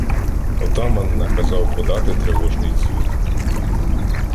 Отаман наказав подати тривожний дзвін.